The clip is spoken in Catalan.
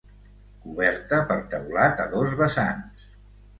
Coberta per teulat a dos vessants.